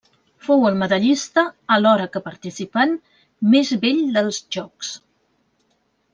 Fou el medallista, alhora que participant, més vell dels Jocs.